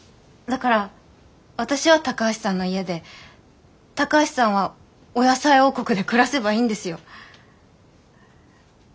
だから私は高橋さんの家で高橋さんはお野菜王国で暮らせばいいんですよ。